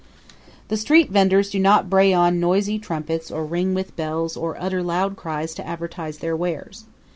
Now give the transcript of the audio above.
The street venders do not bray on noisy trumpets or ring with bells or utter loud cries to advertise their wares.